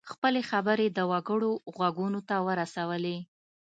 خپلې خبرې د وګړو غوږونو ته ورسولې.